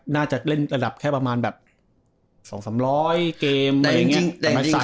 น่าจะเล่นระดับแค่ประมาณแบบสองสามร้อยเกมอะไรอย่างเงี้ย